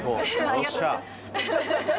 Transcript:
よっしゃ。